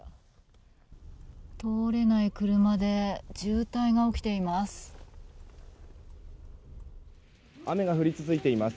通れない車で渋滞が起きています。